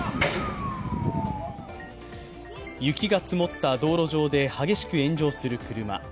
雪が積もった道路上で激しく炎上する車。